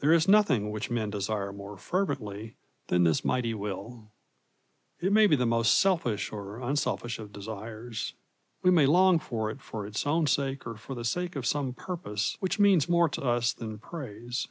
There is nothing which men desire more fervently than this mighty will. It may be the most selfish or unselfish of desires. We may long for it for its own sake or for the sake of some purpose which means more to us than praise.